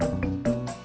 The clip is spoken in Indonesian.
aku mau berbual